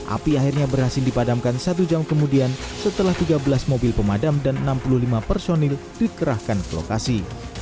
api akhirnya berhasil dipadamkan satu jam kemudian setelah tiga belas mobil pemadam dan enam puluh lima personil dikerahkan ke lokasi